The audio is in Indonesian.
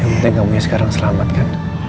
yang penting kamu yang sekarang selamat kan